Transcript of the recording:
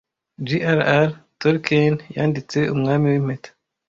JRR Tolkein yanditse Umwami wimpeta